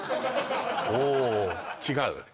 おお違う？